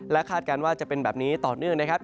คาดการณ์ว่าจะเป็นแบบนี้ต่อเนื่องนะครับ